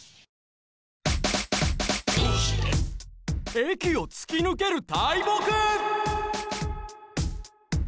駅を突き抜ける大木！